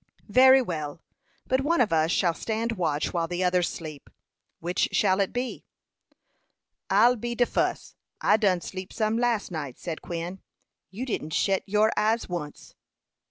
"Very well; but one of us shall stand watch while the others sleep. Which shall it be?" "I'll be de fus. I done sleep some last night," said Quin. "You didn't shet your eyes once."